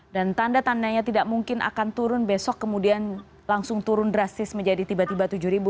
dan tanda tandanya tidak mungkin akan turun besok kemudian langsung turun drastis menjadi tiba tiba tujuh ribu